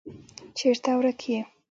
چیرته ورک یې.